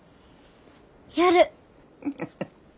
やる。